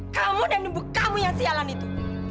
kamu dan ibu kamu yang sialan itu